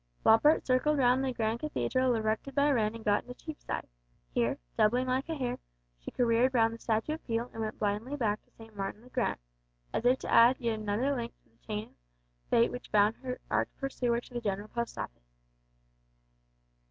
Floppart circled round the grand cathedral erected by Wren and got into Cheapside. Here, doubling like a hare, she careered round the statue of Peel and went blindly back to St. Martin's le Grand, as if to add yet another link to the chain of fate which bound her arch pursuer to the General Post Office.